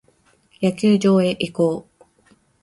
野球場へ移行。